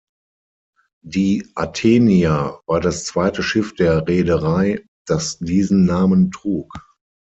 Die "Athenia" war das zweite Schiff der Reederei, das diesen Namen trug.